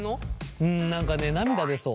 うん何かね涙出そう。